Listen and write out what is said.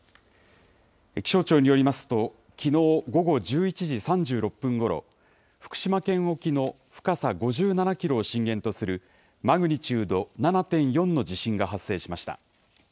気象庁によりますと、きのう午後１１時３６分ごろ、福島県沖の深さ５７キロを震源とするマグニチュード７．４の地震が発生しました。